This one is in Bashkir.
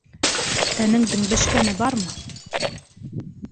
Тәнеңдең бешкәне бармы?